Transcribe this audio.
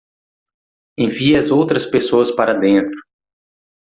Envie as outras pessoas para dentro.